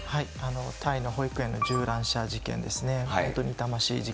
タイの保育園の銃乱射事件ですね。